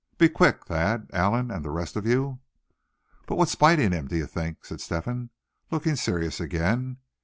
Be quick, Thad, Allan, and the rest of you!" "But what's biting him, do you think?" said Step hen, looking serious again.